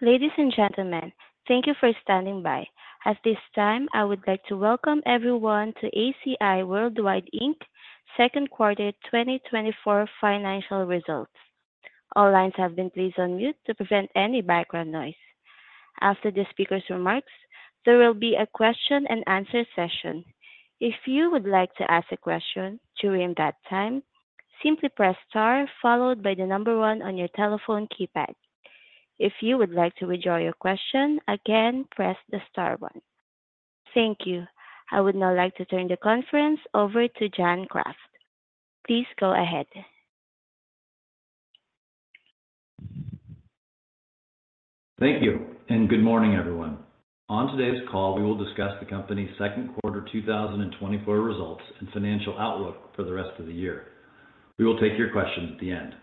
Ladies and gentlemen, thank you for standing by. At this time, I would like to welcome everyone to ACI Worldwide, Inc., Q2 2024 financial results. All lines have been placed on mute to prevent any background noise. After the speaker's remarks, there will be a question-and-answer session. If you would like to ask a question during that time, simply press star followed by the number one on your telephone keypad. If you would like to withdraw your question, again, press the star one. Thank you. I would now like to turn the conference over to John Kraft. Please go ahead. Thank you, and good morning, everyone. On today's call, we will discuss the company's Q2 2024 results and financial outlook for the rest of the year. We will take your questions at the end.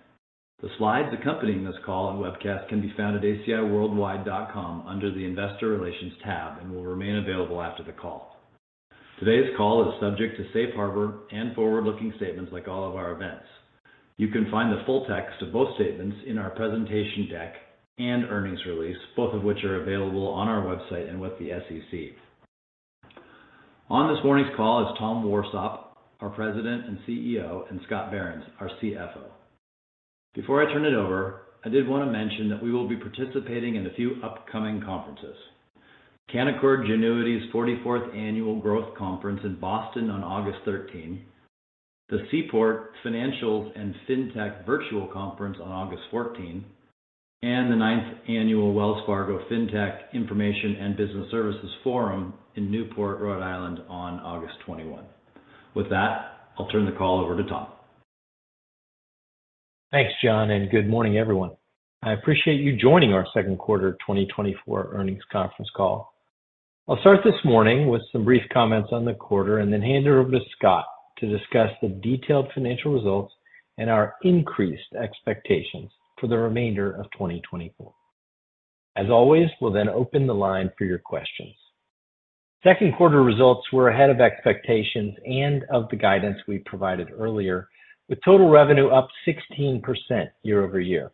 The slides accompanying this call and webcast can be found at aciworldwide.com under the Investor Relations tab and will remain available after the call. Today's call is subject to safe harbor and forward-looking statements like all of our events. You can find the full text of both statements in our presentation deck and earnings release, both of which are available on our website and with the SEC. On this morning's call is Tom Warsop, our president and CEO, and Scott Behrens, our CFO. Before I turn it over, I did want to mention that we will be participating in a few upcoming conferences: Canaccord Genuity's 44th Annual Growth Conference in Boston on August 13, the Seaport Financials and FinTech Virtual Conference on August 14, and the 9th Annual Wells Fargo FinTech Information and Business Services Forum in Newport, Rhode Island, on August 21. With that, I'll turn the call over to Tom. Thanks, John, and good morning, everyone. I appreciate you joining our Q2 2024 earnings conference call. I'll start this morning with some brief comments on the quarter and then hand it over to Scott to discuss the detailed financial results and our increased expectations for the remainder of 2024. As always, we'll then open the line for your questions. Q2 results were ahead of expectations and of the guidance we provided earlier, with total revenue up 16% year-over-year.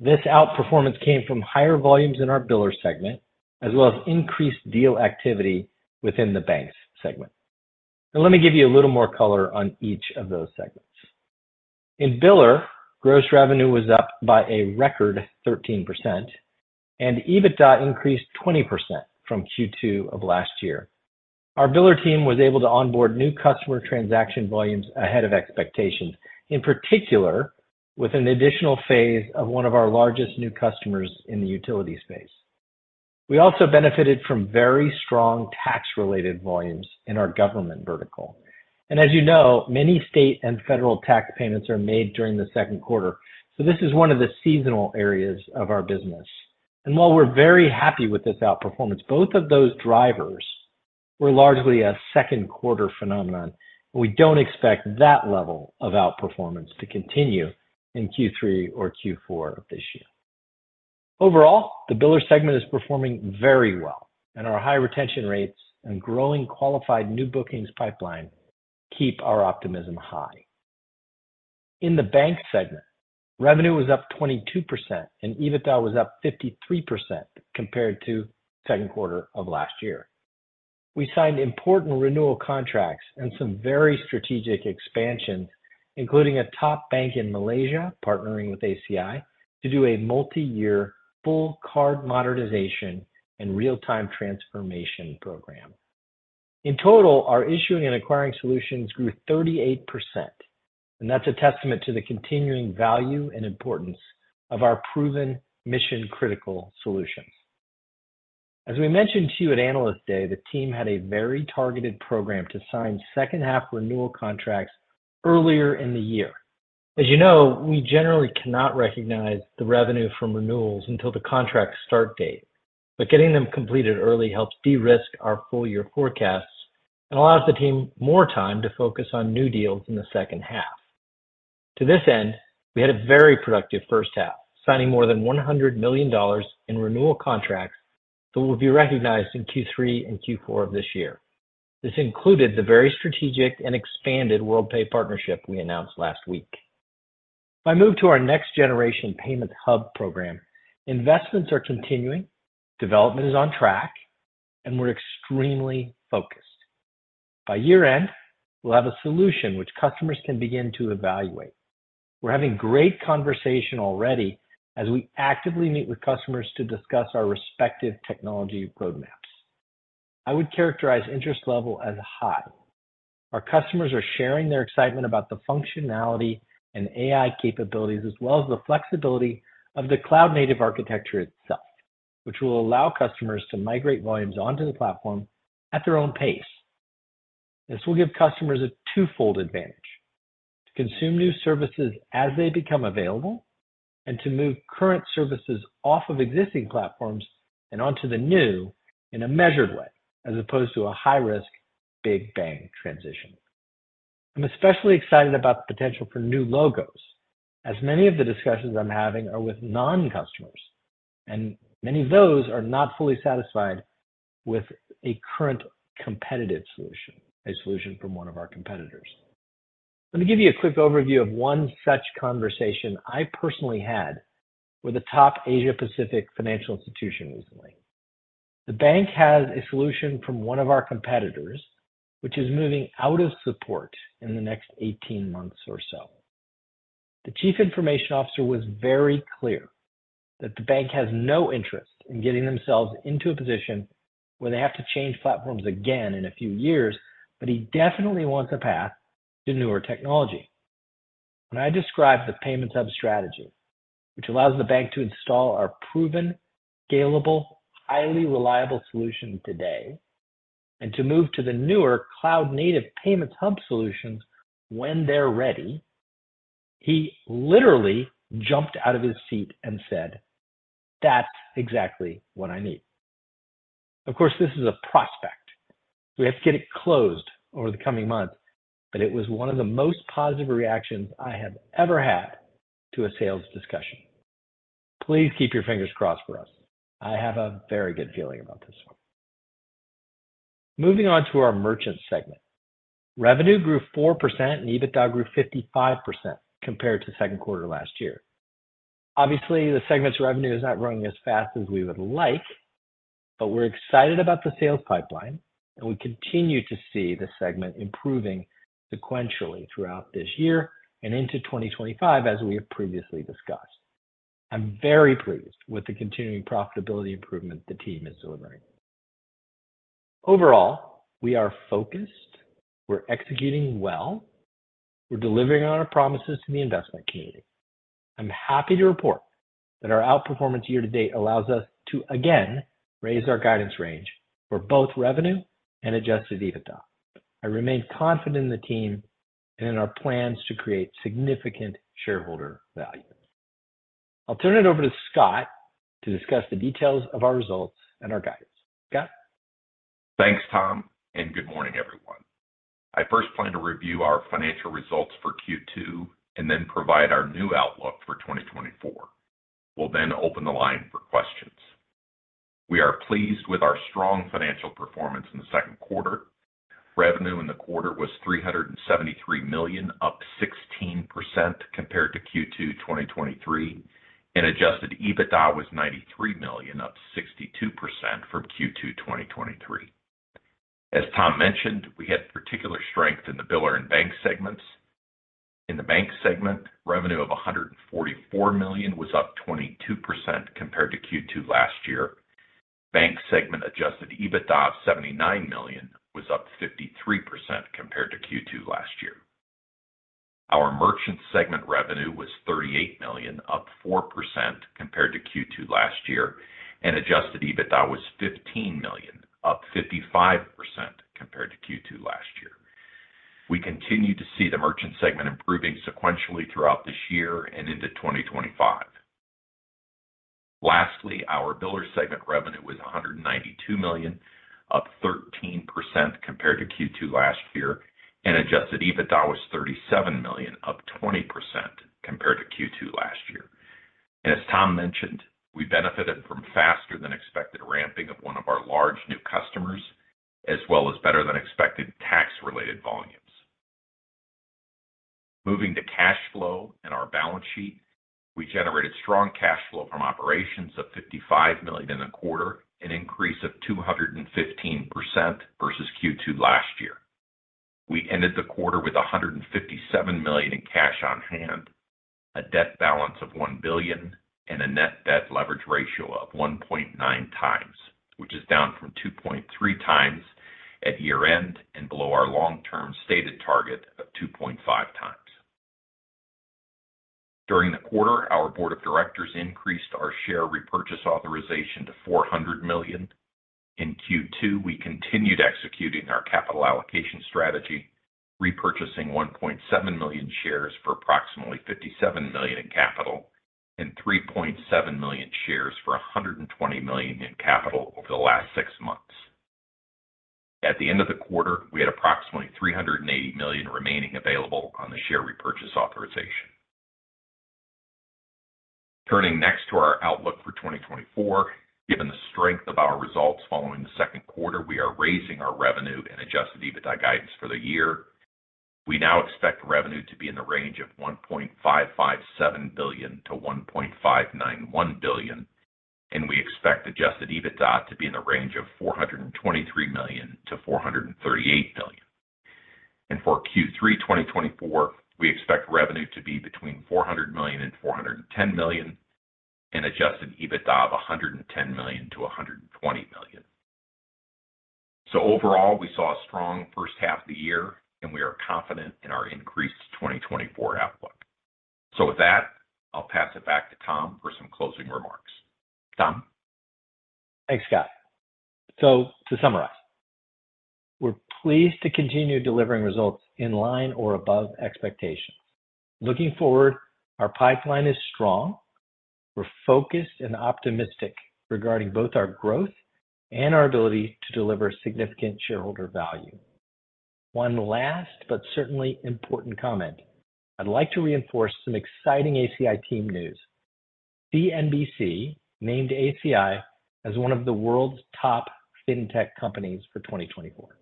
This outperformance came from higher volumes in our biller segment, as well as increased deal activity within the banks segment. Now, let me give you a little more color on each of those segments. In biller, gross revenue was up by a record 13%, and EBITDA increased 20% from Q2 of last year. Our biller team was able to onboard new customer transaction volumes ahead of expectations, in particular with an additional phase of one of our largest new customers in the utility space. We also benefited from very strong tax-related volumes in our government vertical. And as you know, many state and federal tax payments are made during the Q2, so this is one of the seasonal areas of our business. And while we're very happy with this outperformance, both of those drivers were largely a Q2 phenomenon, and we don't expect that level of outperformance to continue in Q3 or Q4 of this year. Overall, the biller segment is performing very well, and our high retention rates and growing qualified new bookings pipeline keep our optimism high. In the banks segment, revenue was up 22%, and EBITDA was up 53% compared to Q2 of last year. We signed important renewal contracts and some very strategic expansions, including a top bank in Malaysia partnering with ACI to do a multi-year full card modernization and real-time transformation program. In total, our issuing and acquiring solutions grew 38%, and that's a testament to the continuing value and importance of our proven mission-critical solutions. As we mentioned to you at Analyst Day, the team had a very targeted program to sign second-half renewal contracts earlier in the year. As you know, we generally cannot recognize the revenue from renewals until the contract start date, but getting them completed early helps de-risk our full-year forecasts and allows the team more time to focus on new deals in the second half. To this end, we had a very productive first half, signing more than $100 million in renewal contracts that will be recognized in Q3 and Q4 of this year. This included the very strategic and expanded Worldpay partnership we announced last week. If I move to our next-generation Payments Hub program, investments are continuing, development is on track, and we're extremely focused. By year-end, we'll have a solution which customers can begin to evaluate. We're having great conversation already as we actively meet with customers to discuss our respective technology roadmaps. I would characterize interest level as high. Our customers are sharing their excitement about the functionality and AI capabilities, as well as the flexibility of the cloud-native architecture itself, which will allow customers to migrate volumes onto the platform at their own pace. This will give customers a twofold advantage: to consume new services as they become available and to move current services off of existing platforms and onto the new in a measured way, as opposed to a high-risk big bang transition. I'm especially excited about the potential for new logos, as many of the discussions I'm having are with non-customers, and many of those are not fully satisfied with a current competitive solution, a solution from one of our competitors. Let me give you a quick overview of one such conversation I personally had with a top Asia-Pacific financial institution recently. The bank has a solution from one of our competitors, which is moving out of support in the next 18 months or so. The chief information officer was very clear that the bank has no interest in getting themselves into a position where they have to change platforms again in a few years, but he definitely wants a path to newer technology. When I described the Payments hub strategy, which allows the bank to install our proven, scalable, highly reliable solution today and to move to the newer cloud-native Payments hub solutions when they're ready, he literally jumped out of his seat and said, "That's exactly what I need." Of course, this is a prospect. We have to get it closed over the coming months, but it was one of the most positive reactions I have ever had to a sales discussion. Please keep your fingers crossed for us. I have a very good feeling about this one. Moving on to our merchant segment, revenue grew 4% and EBITDA grew 55% compared to Q2 last year. Obviously, the segment's revenue is not growing as fast as we would like, but we're excited about the sales pipeline, and we continue to see the segment improving sequentially throughout this year and into 2025, as we have previously discussed. I'm very pleased with the continuing profitability improvement the team is delivering. Overall, we are focused, we're executing well, we're delivering on our promises to the investment community. I'm happy to report that our outperformance year-to-date allows us to, again, raise our guidance range for both revenue and Adjusted EBITDA. I remain confident in the team and in our plans to create significant shareholder value. I'll turn it over to Scott to discuss the details of our results and our guidance. Scott? Thanks, Tom, and good morning, everyone. I first plan to review our financial results for Q2 and then provide our new outlook for 2024. We'll then open the line for questions. We are pleased with our strong financial performance in the Q2. Revenue in the quarter was $373 million, up 16% compared to Q2 2023, and Adjusted EBITDA was $93 million, up 62% from Q2 2023. As Tom mentioned, we had particular strength in the biller and bank segments. In the bank segment, revenue of $144 million was up 22% compared to Q2 last year. Bank segment Adjusted EBITDA of $79 million was up 53% compared to Q2 last year. Our merchant segment revenue was $38 million, up 4% compared to Q2 last year, and Adjusted EBITDA was $15 million, up 55% compared to Q2 last year. We continue to see the merchant segment improving sequentially throughout this year and into 2025. Lastly, our biller segment revenue was $192 million, up 13% compared to Q2 last year, and adjusted EBITDA was $37 million, up 20% compared to Q2 last year. As Tom mentioned, we benefited from faster-than-expected ramping of one of our large new customers, as well as better-than-expected tax-related volumes. Moving to cash flow and our balance sheet, we generated strong cash flow from operations of $55 million in the quarter, an increase of 215% versus Q2 last year. We ended the quarter with $157 million in cash on hand, a debt balance of $1 billion, and a net debt leverage ratio of 1.9 times, which is down from 2.3 times at year-end and below our long-term stated target of 2.5 times. During the quarter, our board of directors increased our share repurchase authorization to $400 million. In Q2, we continued executing our capital allocation strategy, repurchasing 1.7 million shares for approximately $57 million in capital and 3.7 million shares for $120 million in capital over the last six months. At the end of the quarter, we had approximately $380 million remaining available on the share repurchase authorization. Turning next to our outlook for 2024, given the strength of our results following the Q2, we are raising our revenue and Adjusted EBITDA guidance for the year. We now expect revenue to be in the range of $1.557 billion-$1.591 billion, and we expect Adjusted EBITDA to be in the range of $423 million-$438 million. For Q3 2024, we expect revenue to be between $400 million and $410 million and Adjusted EBITDA of $110 million-$120 million. So overall, we saw a strong first half of the year, and we are confident in our increased 2024 outlook. So with that, I'll pass it back to Tom for some closing remarks. Tom? Thanks, Scott. So to summarize, we're pleased to continue delivering results in line or above expectations. Looking forward, our pipeline is strong. We're focused and optimistic regarding both our growth and our ability to deliver significant shareholder value. One last but certainly important comment: I'd like to reinforce some exciting ACI team news. CNBC named ACI as one of the world's top fintech companies for 2024,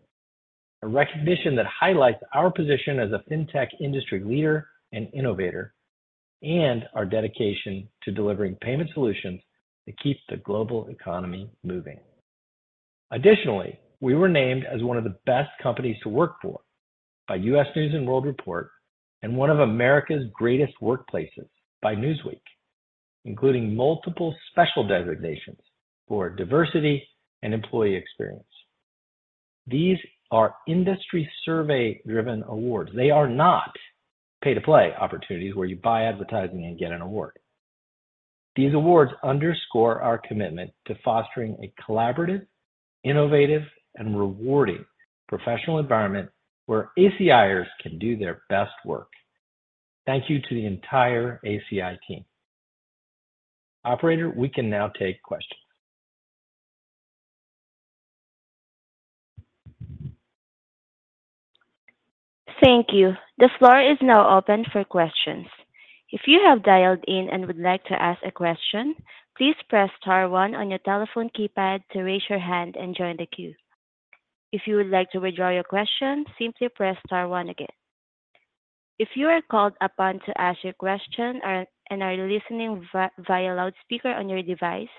a recognition that highlights our position as a fintech industry leader and innovator and our dedication to delivering payment solutions that keep the global economy moving. Additionally, we were named as one of the best companies to work for by U.S. News & World Report and one of America's greatest workplaces by Newsweek, including multiple special designations for diversity and employee experience. These are industry survey-driven awards. They are not pay-to-play opportunities where you buy advertising and get an award. These awards underscore our commitment to fostering a collaborative, innovative, and rewarding professional environment where ACIers can do their best work. Thank you to the entire ACI team. Operator, we can now take questions. Thank you. The floor is now open for questions. If you have dialed in and would like to ask a question, please press star 1 on your telephone keypad to raise your hand and join the queue. If you would like to withdraw your question, simply press star 1 again. If you are called upon to ask your question and are listening via loudspeaker on your device,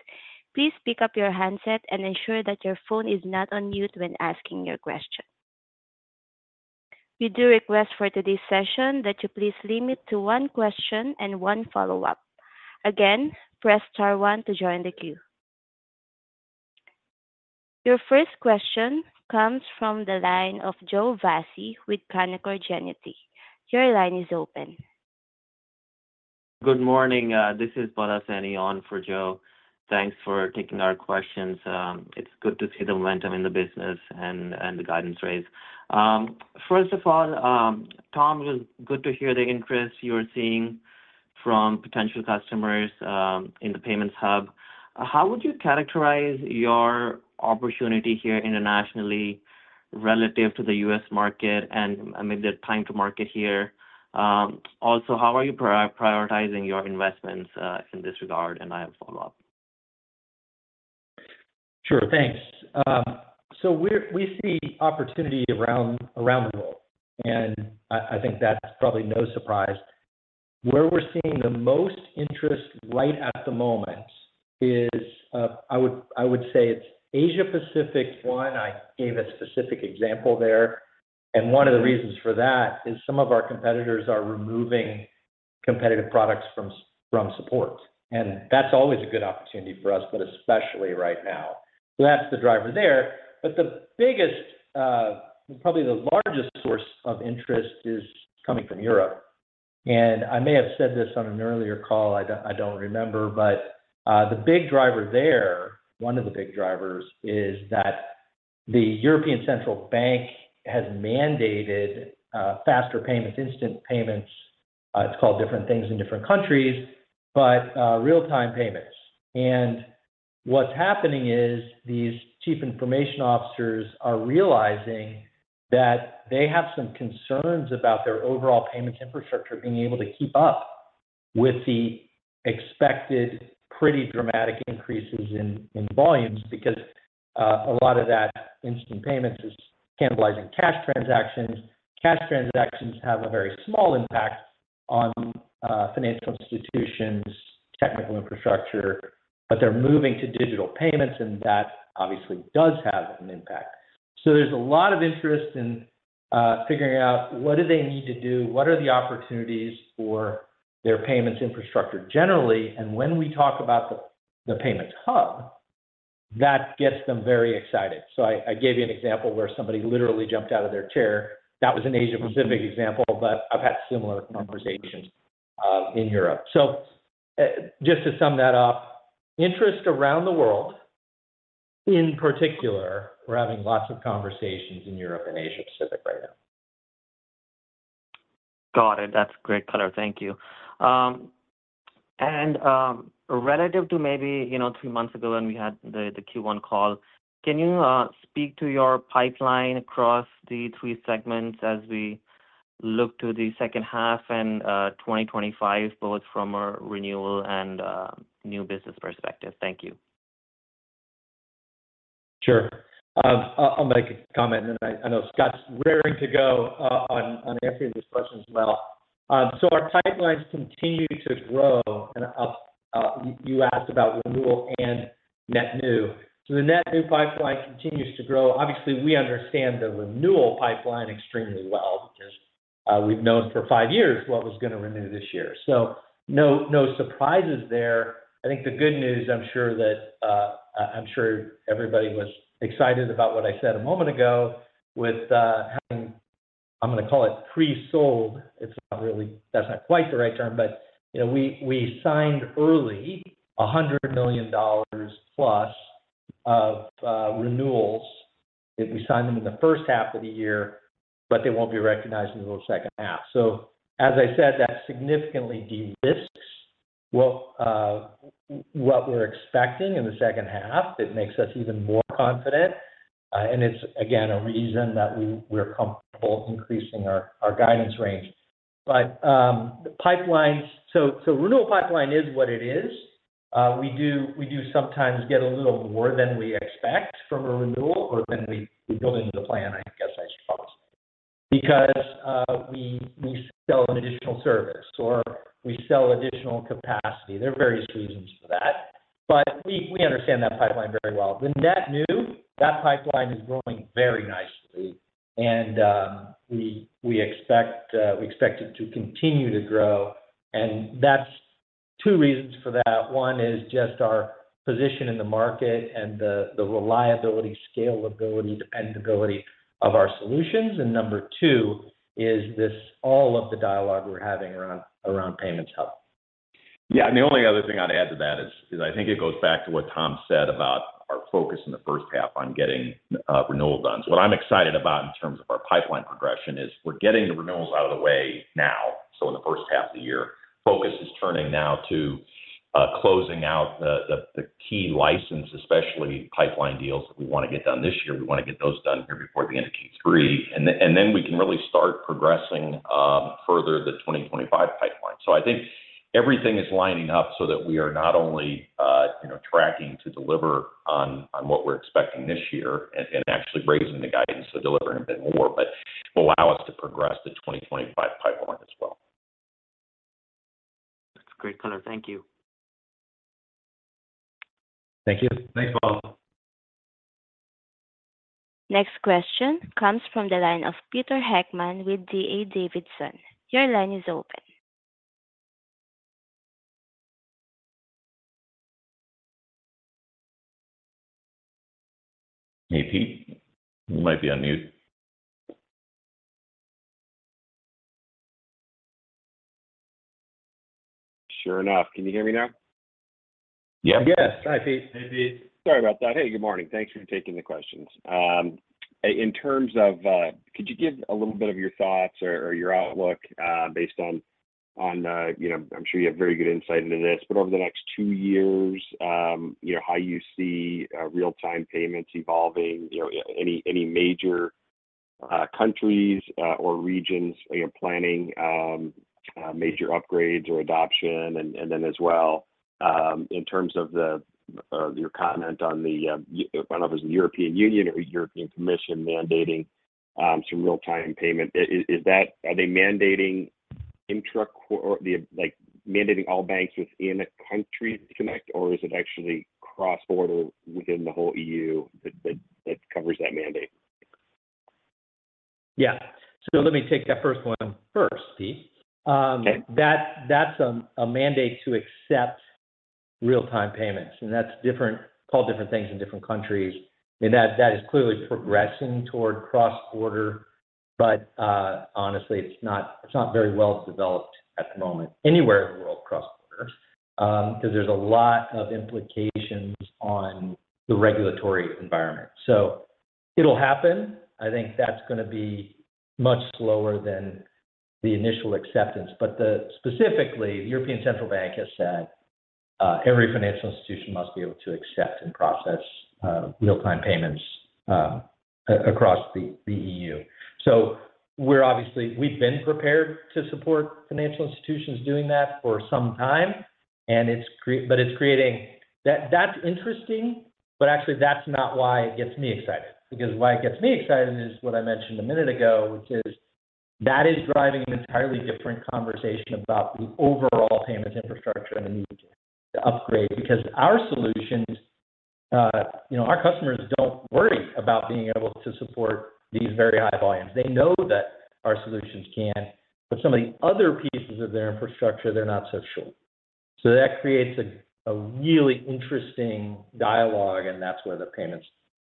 please pick up your handset and ensure that your phone is not on mute when asking your question. We do request for today's session that you please limit to one question and one follow-up. Again, press star 1 to join the queue. Your first question comes from the line of Joe Vafi with Canaccord Genuity. Your line is open. Good morning. This is Bharat Seneon for Joe. Thanks for taking our questions. It's good to see the momentum in the business and the guidance raise. First of all, Tom, it was good to hear the interest you're seeing from potential customers in the payments hub. How would you characterize your opportunity here internationally relative to the U.S. market and, I mean, the time to market here? Also, how are you prioritizing your investments in this regard? And I have a follow-up. Sure. Thanks. So we see opportunity around the world, and I think that's probably no surprise. Where we're seeing the most interest right at the moment is, I would say, it's Asia-Pacific. One, I gave a specific example there. And one of the reasons for that is some of our competitors are removing competitive products from support. And that's always a good opportunity for us, but especially right now. So that's the driver there. But the biggest, probably the largest source of interest is coming from Europe. And I may have said this on an earlier call, I don't remember, but the big driver there, one of the big drivers, is that the European Central Bank has mandated faster payments, instant payments. It's called different things in different countries, but real-time payments. What's happening is these chief information officers are realizing that they have some concerns about their overall payments infrastructure being able to keep up with the expected pretty dramatic increases in volumes because a lot of that instant payments is cannibalizing cash transactions. Cash transactions have a very small impact on financial institutions' technical infrastructure, but they're moving to digital payments, and that obviously does have an impact. There's a lot of interest in figuring out what do they need to do, what are the opportunities for their payments infrastructure generally. When we talk about the Payments Hub, that gets them very excited. I gave you an example where somebody literally jumped out of their chair. That was an Asia-Pacific example, but I've had similar conversations in Europe. Just to sum that up, interest around the world in particular, we're having lots of conversations in Europe and Asia-Pacific right now. Got it. That's great, color. Thank you. And relative to maybe three months ago when we had the Q1 call, can you speak to your pipeline across the three segments as we look to the second half and 2025, both from a renewal and new business perspective? Thank you. Sure. I'll make a comment, and I know Scott's raring to go on answering this question as well. So our pipelines continue to grow. And you asked about renewal and net new. So the net new pipeline continues to grow. Obviously, we understand the renewal pipeline extremely well because we've known for five years what was going to renew this year. So no surprises there. I think the good news, I'm sure that I'm sure everybody was excited about what I said a moment ago with having, I'm going to call it pre-sold. That's not quite the right term, but we signed early $100 million plus of renewals. We signed them in the first half of the year, but they won't be recognized in the second half. So as I said, that significantly de-risks what we're expecting in the second half. It makes us even more confident. It's, again, a reason that we're comfortable increasing our guidance range. But the pipelines, so renewal pipeline is what it is. We do sometimes get a little more than we expect from a renewal or than we build into the plan, I guess I should probably say, because we sell an additional service or we sell additional capacity. There are various reasons for that, but we understand that pipeline very well. The net new, that pipeline is growing very nicely, and we expect it to continue to grow. And that's two reasons for that. One is just our position in the market and the reliability, scalability, dependability of our solutions. And number two is this all of the dialogue we're having around Payments Hub. Yeah. And the only other thing I'd add to that is I think it goes back to what Tom said about our focus in the first half on getting renewal done. So what I'm excited about in terms of our pipeline progression is we're getting the renewals out of the way now. So in the first half of the year, focus is turning now to closing out the key license, especially pipeline deals that we want to get done this year. We want to get those done here before the end of Q3. And then we can really start progressing further the 2025 pipeline. So I think everything is lining up so that we are not only tracking to deliver on what we're expecting this year and actually raising the guidance to deliver a bit more, but will allow us to progress the 2025 pipeline as well. That's great, Connor. Thank you. Thank you. Thanks, Palav. Next question comes from the line of Peter Heckman with D.A. Davidson. Your line is open. Hey, Pete. You might be on mute. Sure enough. Can you hear me now? Yep. Yes. Hi, Pete. Hey, Pete. Sorry about that. Hey, good morning. Thanks for taking the questions. In terms of could you give a little bit of your thoughts or your outlook based on I'm sure you have very good insight into this, but over the next two years, how you see real-time payments evolving, any major countries or regions planning major upgrades or adoption, and then as well in terms of your comment on the I don't know if it was the European Union or European Commission mandating some real-time payment. Are they mandating all banks within a country to connect, or is it actually cross-border within the whole EU that covers that mandate? Yeah. So let me take that first one first, Pete. That's a mandate to accept real-time payments, and that's called different things in different countries. I mean, that is clearly progressing toward cross-border, but honestly, it's not very well developed at the moment anywhere in the world cross-border because there's a lot of implications on the regulatory environment. So it'll happen. I think that's going to be much slower than the initial acceptance. But specifically, the European Central Bank has said every financial institution must be able to accept and process real-time payments across the EU. So we've been prepared to support financial institutions doing that for some time, but it's creating that's interesting, but actually, that's not why it gets me excited. Because why it gets me excited is what I mentioned a minute ago, which is that is driving an entirely different conversation about the overall payments infrastructure and the need to upgrade because our solutions, our customers don't worry about being able to support these very high volumes. They know that our solutions can, but some of the other pieces of their infrastructure, they're not so sure. So that creates a really interesting dialogue, and that's where the Payments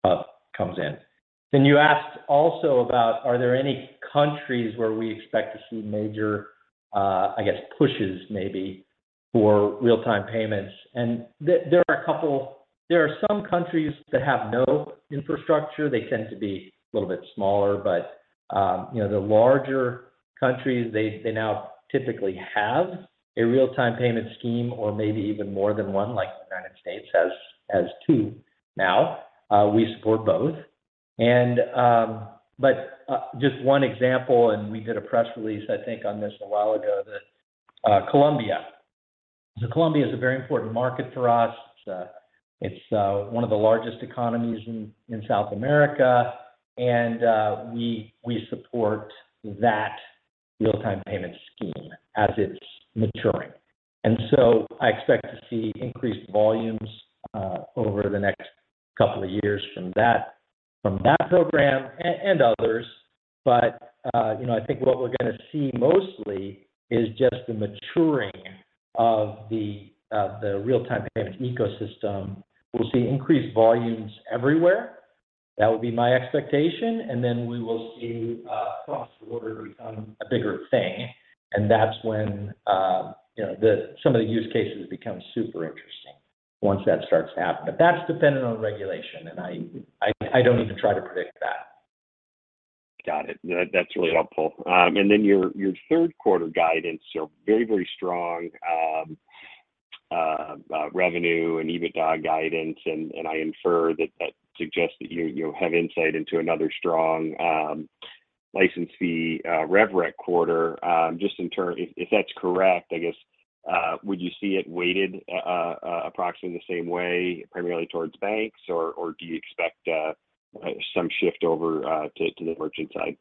Hub comes in. Then you asked also about, are there any countries where we expect to see major, I guess, pushes maybe for real-time payments? And there are some countries that have no infrastructure. They tend to be a little bit smaller, but the larger countries, they now typically have a real-time payment scheme or maybe even more than one, like the United States has two now. We support both. But just one example, and we did a press release, I think, on this a while ago, that Colombia. So Colombia is a very important market for us. It's one of the largest economies in South America, and we support that real-time payment scheme as it's maturing. And so I expect to see increased volumes over the next couple of years from that program and others. But I think what we're going to see mostly is just the maturing of the real-time payment ecosystem. We'll see increased volumes everywhere. That will be my expectation. And then we will see cross-border become a bigger thing. And that's when some of the use cases become super interesting once that starts to happen. But that's dependent on regulation, and I don't even try to predict that. Got it. That's really helpful. And then your third quarter guidance, so very, very strong revenue and EBITDA guidance. And I infer that that suggests that you have insight into another strong license fee RevRec quarter. Just in terms of if that's correct, I guess, would you see it weighted approximately the same way, primarily towards banks, or do you expect some shift over to the merchant side?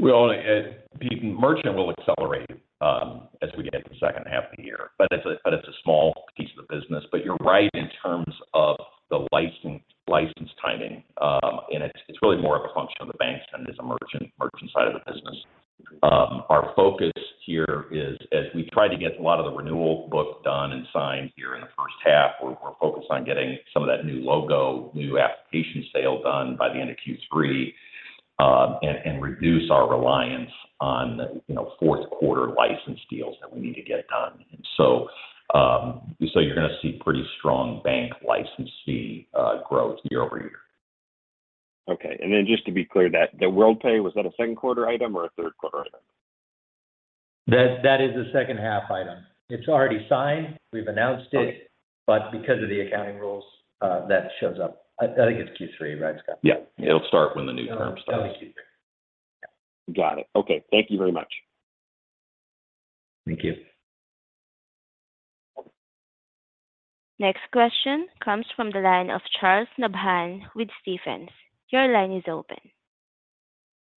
Well, merchant will accelerate as we get into the second half of the year, but it's a small piece of the business. But you're right in terms of the license timing. And it's really more of a function of the banks than it is a merchant side of the business. Our focus here is, as we try to get a lot of the renewal book done and signed here in the first half, we're focused on getting some of that new logo, new application sale done by the end of Q3 and reduce our reliance on fourth-quarter license deals that we need to get done. And so you're going to see pretty strong bank license fee growth year-over-year. Okay. And then just to be clear, that Worldpay, was that a second-quarter item or a third-quarter item? That is a second-half item. It's already signed. We've announced it, but because of the accounting rules, that shows up. I think it's Q3, right, Scott? Yeah. It'll start when the new term starts. That'll be Q3. Got it. Okay. Thank you very much. Thank you. Next question comes from the line of Charles Nabhan with Stephens. Your line is open.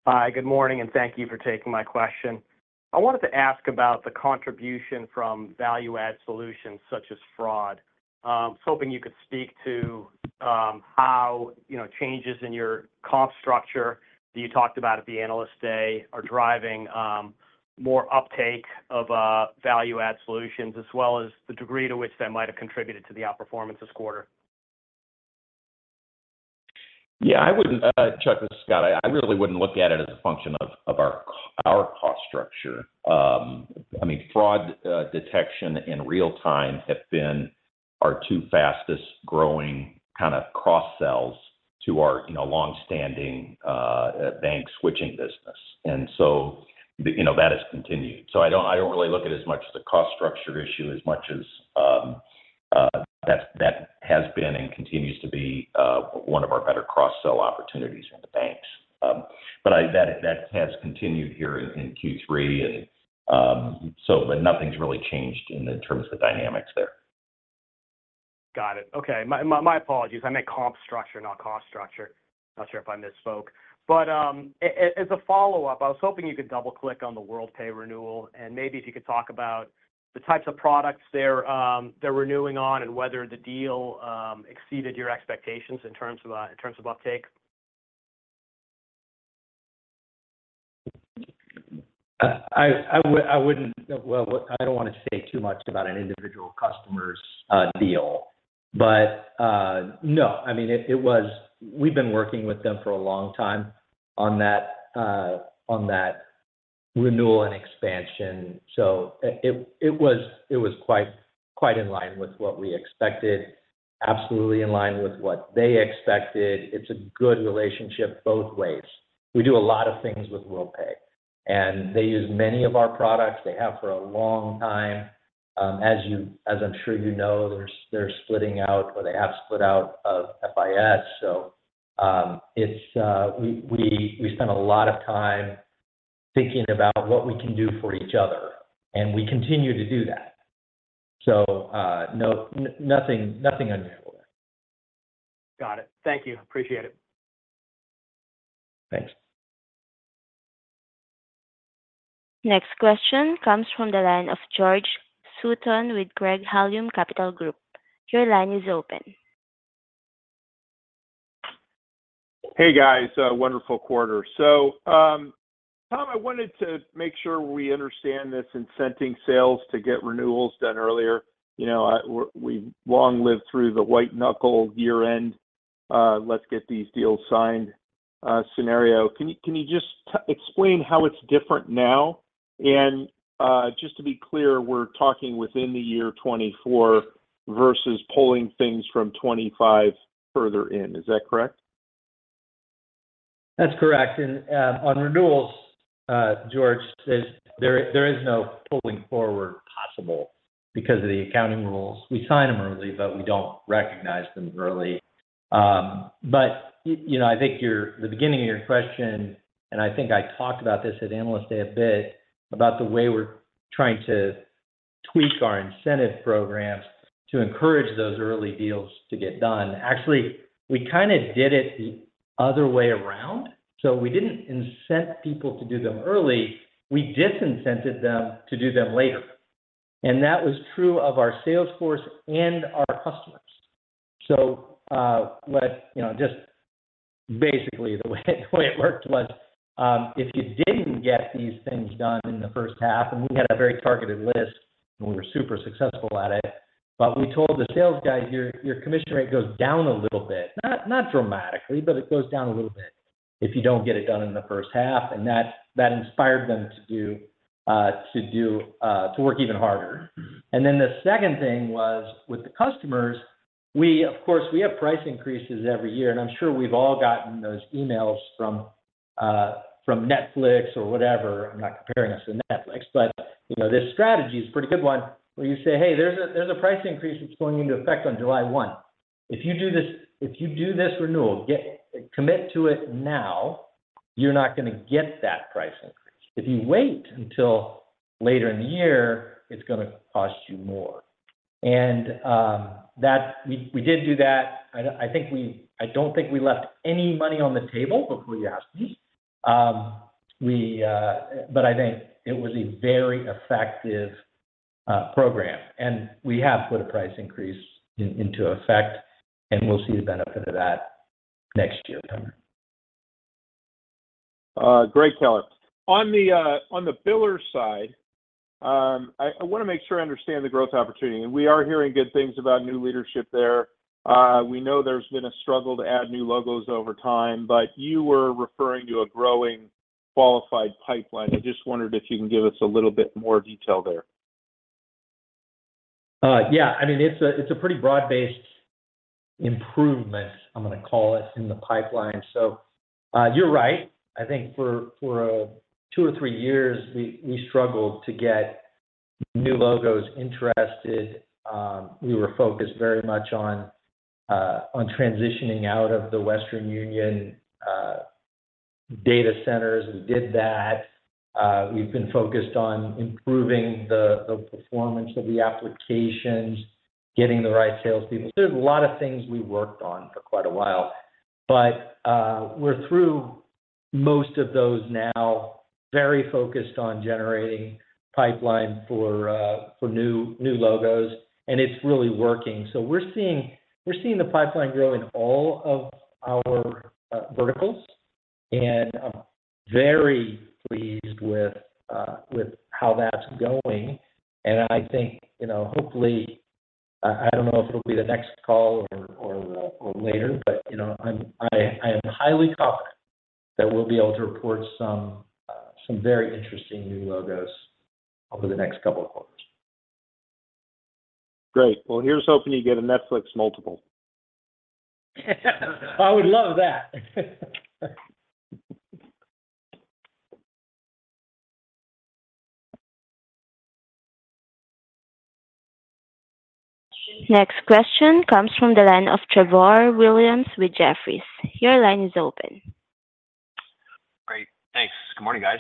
Hi, good morning, and thank you for taking my question. I wanted to ask about the contribution from value-add solutions such as fraud. I was hoping you could speak to how changes in your comp structure that you talked about at the analyst day are driving more uptake of value-add solutions as well as the degree to which that might have contributed to the outperformance this quarter. Yeah. I wouldn't chuck this, Scott. I really wouldn't look at it as a function of our cost structure. I mean, fraud detection in real time have been our two fastest growing kind of cross-sells to our long-standing bank switching business. And so that has continued. So I don't really look at it as much as a cost structure issue as much as that has been and continues to be one of our better cross-sell opportunities in the banks. But that has continued here in Q3, but nothing's really changed in terms of the dynamics there. Got it. Okay. My apologies. I meant comp structure, not cost structure. Not sure if I misspoke. But as a follow-up, I was hoping you could double-click on the Worldpay renewal and maybe if you could talk about the types of products they're renewing on and whether the deal exceeded your expectations in terms of uptake. I wouldn't, well, I don't want to say too much about an individual customer's deal, but no. I mean, we've been working with them for a long time on that renewal and expansion. So it was quite in line with what we expected, absolutely in line with what they expected. It's a good relationship both ways. We do a lot of things with Worldpay, and they use many of our products. They have for a long time. As I'm sure you know, they're splitting out or they have split out of FIS. So we spent a lot of time thinking about what we can do for each other, and we continue to do that. So nothing unusual there. Got it. Thank you. Appreciate it. Thanks. Next question comes from the line of George Sutton with Craig-Hallum Capital Group. Your line is open. Hey, guys. Wonderful quarter. So Tom, I wanted to make sure we understand this incenting sales to get renewals done earlier. We've long lived through the white-knuckle year-end, let's get these deals signed scenario. Can you just explain how it's different now? And just to be clear, we're talking within the year 2024 versus pulling things from 2025 further in. Is that correct? That's correct. On renewals, George says, there is no pulling forward possible because of the accounting rules. We sign them early, but we don't recognize them early. I think the beginning of your question, and I think I talked about this at Analyst Day a bit, about the way we're trying to tweak our incentive programs to encourage those early deals to get done. Actually, we kind of did it the other way around. We didn't incent people to do them early. We disincented them to do them later. That was true of our salesforce and our customers. So just basically, the way it worked was if you didn't get these things done in the first half, and we had a very targeted list, and we were super successful at it, but we told the sales guys, "Your commission rate goes down a little bit." Not dramatically, but it goes down a little bit if you don't get it done in the first half. And that inspired them to work even harder. And then the second thing was with the customers, of course, we have price increases every year. And I'm sure we've all gotten those emails from Netflix or whatever. I'm not comparing us to Netflix, but this strategy is a pretty good one where you say, "Hey, there's a price increase that's going into effect on July 1. If you do this renewal, commit to it now, you're not going to get that price increase. If you wait until later in the year, it's going to cost you more." We did do that. I don't think we left any money on the table before you asked me, but I think it was a very effective program. We have put a price increase into effect, and we'll see the benefit of that next year. On the Biller side, I want to make sure I understand the growth opportunity. We are hearing good things about new leadership there. We know there's been a struggle to add new logos over time, but you were referring to a growing qualified pipeline. I just wondered if you can give us a little bit more detail there. Yeah. I mean, it's a pretty broad-based improvement, I'm going to call it, in the pipeline. So you're right. I think for two or three years, we struggled to get new logos interested. We were focused very much on transitioning out of the Western Union data centers. We did that. We've been focused on improving the performance of the applications, getting the right salespeople. So there's a lot of things we worked on for quite a while. But we're through most of those now, very focused on generating pipeline for new logos, and it's really working. So we're seeing the pipeline grow in all of our verticals, and I'm very pleased with how that's going. I think, hopefully, I don't know if it'll be the next call or later, but I am highly confident that we'll be able to report some very interesting new logos over the next couple of quarters. Great. Well, here's hoping you get a Netflix multiple. I would love that. Next question comes from the line of Trevor Williams, with Jefferies. Your line is open. Great. Thanks. Good morning, guys.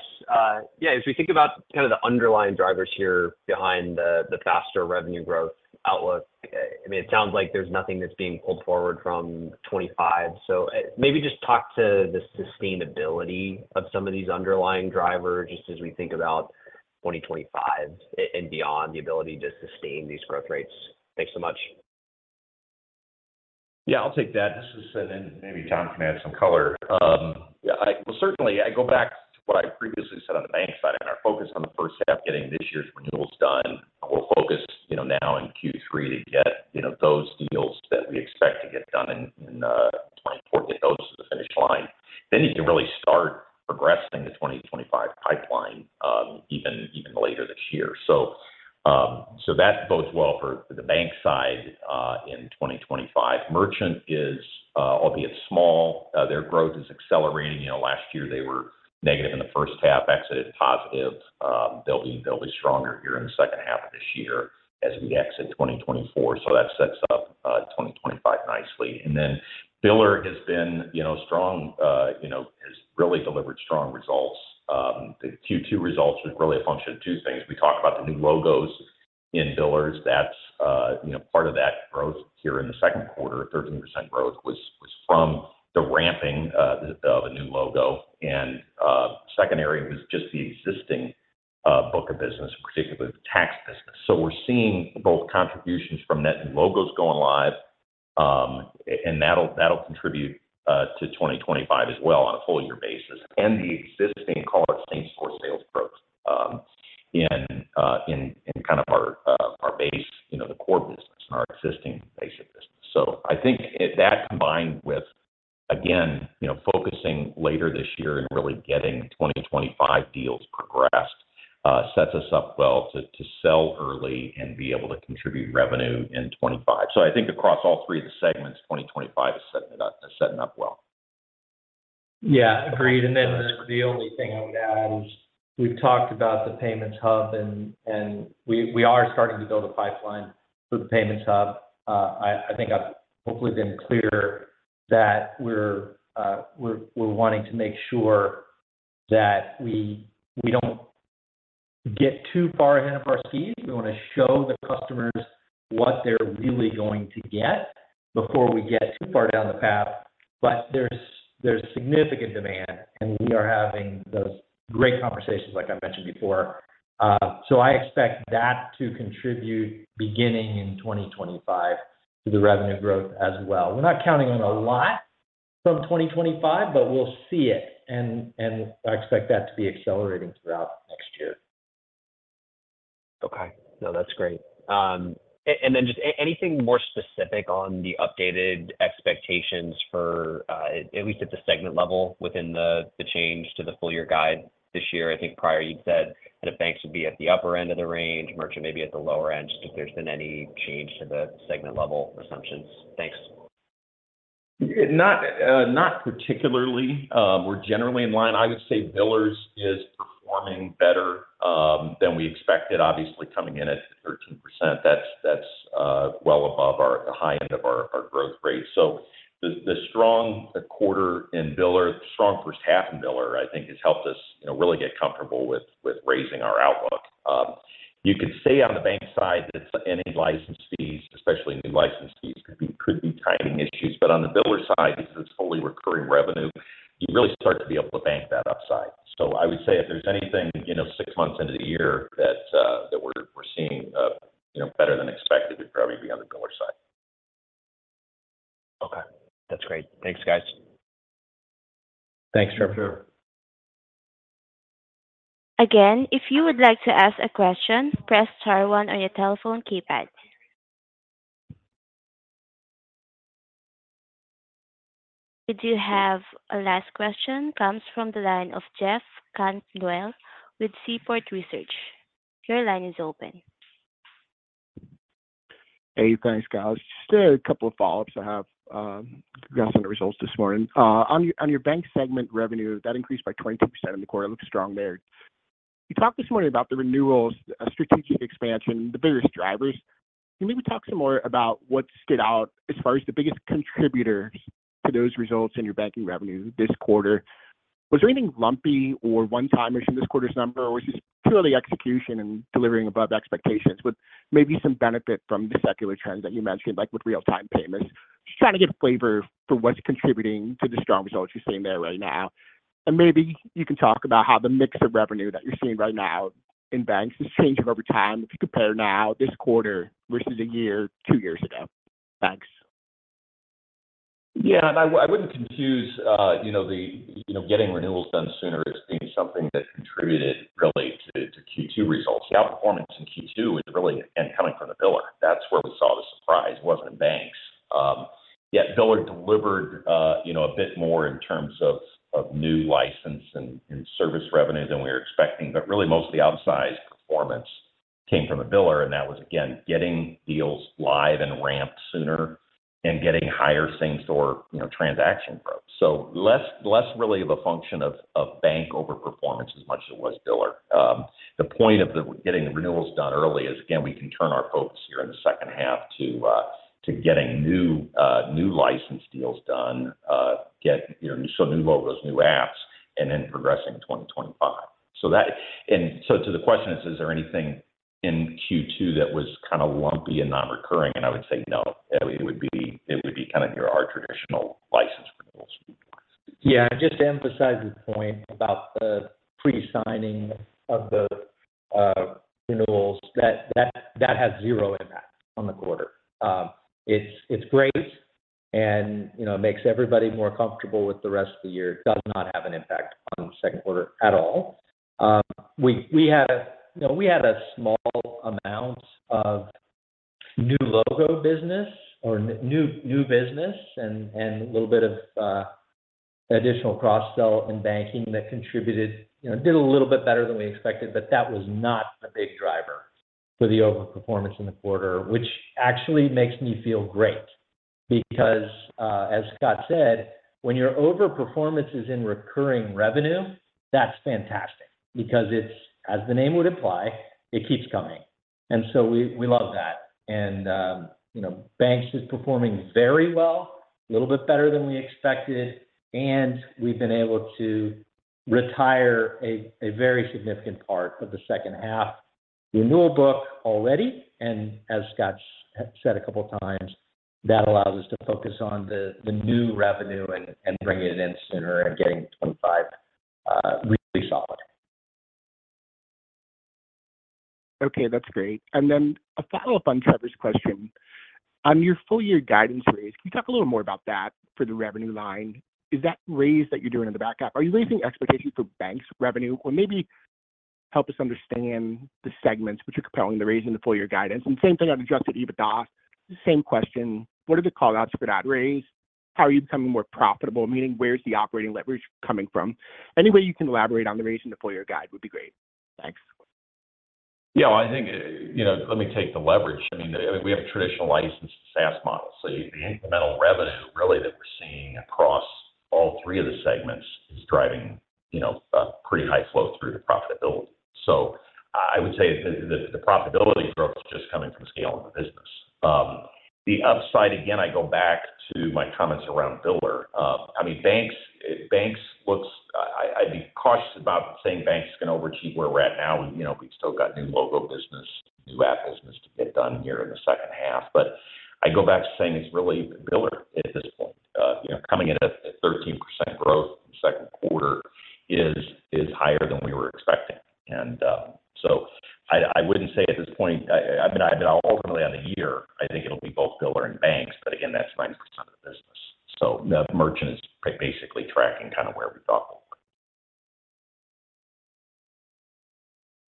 Yeah. As we think about kind of the underlying drivers here behind the faster revenue growth outlook, I mean, it sounds like there's nothing that's being pulled forward from 2025. So maybe just talk to the sustainability of some of these underlying drivers just as we think about 2025 and beyond, the ability to sustain these growth rates. Thanks so much. Yeah. I'll take that. Maybe Tom can add some color. Well, certainly, I go back to what I previously said on the bank side and our focus on the first half getting this year's renewals done. We'll focus now in Q3 to get those deals that we expect to get done in 2024, get those to the finish line. Then you can really start progressing the 2025 pipeline even later this year. So that bodes well for the bank side in 2025. Merchant is, albeit small, their growth is accelerating. Last year, they were negative in the first half, exited positive. They'll be stronger here in the second half of this year as we exit 2024. So that sets up 2025 nicely. And then Biller has been strong, has really delivered strong results. The Q2 results were really a function of two things. We talked about the new logos in billers. That's part of that growth here in the Q2, 13% growth was from the ramping of a new logo. And secondary was just the existing book of business, particularly the tax business. So we're seeing both contributions from net new logos going live, and that'll contribute to 2025 as well on a full-year basis. And the existing callout stats for sales growth in kind of our base, the core business, and our existing base business. So I think that combined with, again, focusing later this year and really getting 2025 deals progressed sets us up well to sell early and be able to contribute revenue in 2025. So I think across all three of the segments, 2025 is setting up well. Yeah. Agreed. And then the only thing I would add is we've talked about the payments hub, and we are starting to build a pipeline for the payments hub. I think I've hopefully been clear that we're wanting to make sure that we don't get too far ahead of our skis. We want to show the customers what they're really going to get before we get too far down the path. But there's significant demand, and we are having those great conversations, like I mentioned before. So I expect that to contribute beginning in 2025 to the revenue growth as well. We're not counting on a lot from 2025, but we'll see it. And I expect that to be accelerating throughout next year. Okay. No, that's great. And then just anything more specific on the updated expectations for at least at the segment level within the change to the full-year guide this year? I think prior you'd said that banks would be at the upper end of the range, merchant maybe at the lower end, just if there's been any change to the segment level assumptions. Thanks. Not particularly. We're generally in line. I would say Billers is performing better than we expected, obviously coming in at 13%. That's well above the high end of our growth rate. So the strong quarter in Biller, the strong first half in Biller, I think, has helped us really get comfortable with raising our outlook. You could say on the bank side that any license fees, especially new license fees, could be timing issues. But on the Biller side, because it's fully recurring revenue, you really start to be able to bank that upside. So I would say if there's anything six months into the year that we're seeing better than expected, it would probably be on the Biller side. Okay. That's great. Thanks, guys. Thanks, Trevor. Sure. Again, if you would like to ask a question, press star 1 on your telephone keypad. We do have a last question comes from the line of Jeff Cantwell with Seaport Research Partners. Your line is open. Hey, thanks, guys. Just a couple of follow-ups. I have got some results this morning. On your bank segment revenue, that increased by 22% in the quarter. Looks strong there. You talked this morning about the renewals, strategic expansion, the biggest drivers. Can you maybe talk some more about what stood out as far as the biggest contributors to those results in your banking revenue this quarter? Was there anything lumpy or one-time issue in this quarter's number, or was this purely execution and delivering above expectations with maybe some benefit from the secular trends that you mentioned, like with real-time payments? Just trying to get a flavor for what's contributing to the strong results you're seeing there right now. Maybe you can talk about how the mix of revenue that you're seeing right now in banks is changing over time if you compare now, this quarter, versus a year two years ago? Thanks. Yeah. I wouldn't confuse the getting renewals done sooner as being something that contributed really to Q2 results. The outperformance in Q2 was really coming from the Biller. That's where we saw the surprise. It wasn't in banks. Yet Biller delivered a bit more in terms of new license and service revenue than we were expecting. But really, most of the outsized performance came from the Biller, and that was, again, getting deals live and ramped sooner and getting higher cents or transaction growth. So less really of a function of bank overperformance as much as it was Biller. The point of getting the renewals done early is, again, we can turn our focus here in the second half to getting new license deals done, get some new logos, new apps, and then progressing in 2025. And so to the question, is there anything in Q2 that was kind of lumpy and non-recurring? I would say no. It would be kind of our traditional license renewals. Yeah. Just to emphasize the point about the pre-signing of the renewals, that has zero impact on the quarter. It's great, and it makes everybody more comfortable with the rest of the year. It does not have an impact on the Q2 at all. We had a small amount of new logo business or new business and a little bit of additional cross-sell and banking that contributed. It did a little bit better than we expected, but that was not a big driver for the overperformance in the quarter, which actually makes me feel great. Because as Scott said, when your overperformance is in recurring revenue, that's fantastic because it's, as the name would imply, it keeps coming. And so we love that. And banks are performing very well, a little bit better than we expected. We've been able to retire a very significant part of the second half renewal book already. As Scott said a couple of times, that allows us to focus on the new revenue and bring it in sooner and getting 2025 really solid. Okay. That's great. And then a follow-up on Trevor's question. On your full-year guidance raise, can you talk a little more about that for the revenue line? Is that raise that you're doing in the backup, are you raising expectations for banks' revenue? Or maybe help us understand the segments which are compelling the raise in the full-year guidance. And same thing on Adjusted EBITDA, same question. What are the callouts for that raise? How are you becoming more profitable? Meaning, where's the operating leverage coming from? Any way you can elaborate on the raise in the full-year guide would be great. Thanks. Yeah. Well, I think, let me take the leverage. I mean, we have a traditional license to SaaS model. So the incremental revenue really that we're seeing across all three of the segments is driving pretty high flow through the profitability. So I would say the profitability growth is just coming from scaling the business. The upside, again, I go back to my comments around Biller. I mean, banking. Look, I'd be cautious about saying banks can overachieve where we're at now. We've still got new logo business, new app business to get done here in the second half. But I go back to saying it's really Biller at this point. Coming in at 13% growth in the Q2 is higher than we were expecting. And so I wouldn't say at this point, I mean, ultimately on the year, I think it'll be both Biller and banks. But again, that's 90% of the business. So merchant is basically tracking kind of where we thought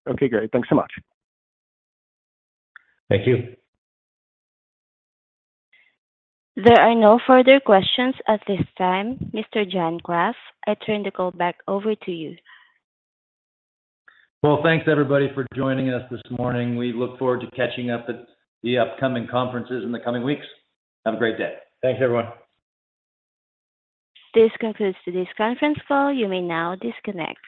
we were. Okay. Great. Thanks so much. Thank you. There are no further questions at this time. Mr. John Kraft, I turn the call back over to you. Well, thanks everybody for joining us this morning. We look forward to catching up at the upcoming conferences in the coming weeks. Have a great day. Thanks, everyone. This concludes today's conference call. You may now disconnect.